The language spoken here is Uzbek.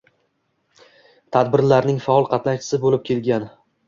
Tadbirlarning faol qatnashchisi bo‘lib kelgan.